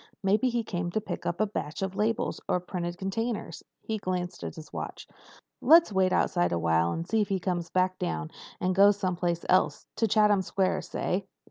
Maybe he came to pick up a batch of labels or printed containers." He glanced at his watch. "Let's wait outside awhile and see if he comes back down and goes some place else—to Chatham Square, say."